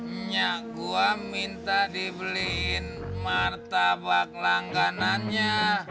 minyak gua minta dibeliin martabak langganannya